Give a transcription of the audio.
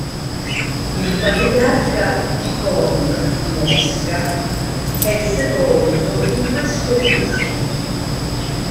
Il patriarca Tichon di Mosca è sepolto in questo monastero.